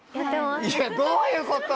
いやどういうこと！